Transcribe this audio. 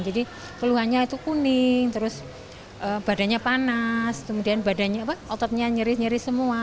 jadi keluhannya itu kuning terus badannya panas kemudian badannya ototnya nyeri nyeri semua